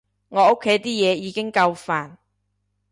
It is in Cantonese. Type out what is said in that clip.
我屋企啲嘢已經夠煩